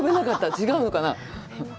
違うのかな？